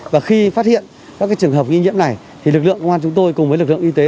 và khi phát hiện các trường hợp nghi nhiễm này thì lực lượng công an chúng tôi cùng với lực lượng y tế